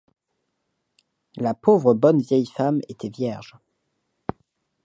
La pauvre bonne vieille femme était vierge.